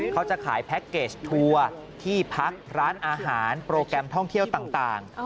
เขาจะขายแพ็คเกจทัวร์ที่พักร้านอาหารโปรแกรมท่องเที่ยวต่าง